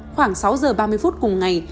khoảng sáu giờ ba mươi phút cùng ngày